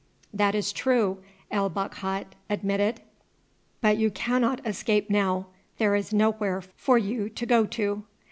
"That is true," El Bakhat admitted; "but you cannot escape now; there is nowhere for you to go to."